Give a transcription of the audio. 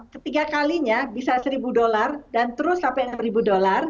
ketiga kalinya bisa seribu dolar dan terus sampai seribu dolar